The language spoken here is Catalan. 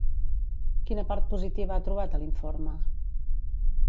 Quina part positiva ha trobat a l'informe?